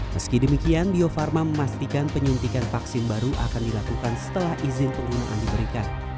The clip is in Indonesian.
meski demikian bio farma memastikan penyuntikan vaksin baru akan dilakukan setelah izin penggunaan diberikan